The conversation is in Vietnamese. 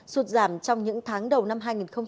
sụt giảm trong những tháng đầu năm hai nghìn một mươi chín